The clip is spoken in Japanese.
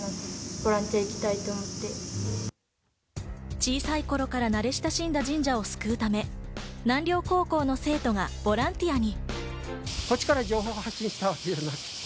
小さい頃から慣れ親しんだ神社を救うため、南稜高校の生徒がボランティアに。